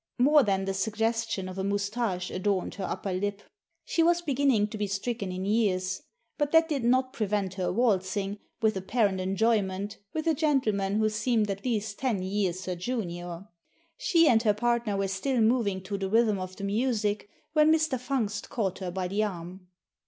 More than the suggestion of a moustache adorned her upper lip. She was ban ning to be stricken in years. But that did not prevent her waltzing, with apparent enjoyment, with a gentleman who seemed at least ten years her junior. She and her partner were still moving to the rhythm of the music when Mr. Fungst caught her by the arm.